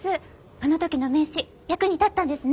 あの時の名刺役に立ったんですね。